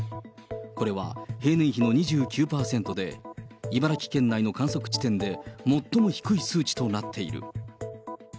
これは平年比の２９％で、茨城県内の観測地点で最も低い数値となっている。